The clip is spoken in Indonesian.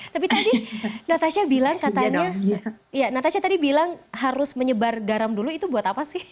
tapi tadi natasha bilang katanya ya natasha tadi bilang harus menyebar garam dulu itu buat apa sih